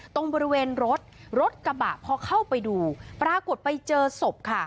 ตรงบริเวณรถรถกระบะพอเข้าไปดูปรากฏไปเจอศพค่ะ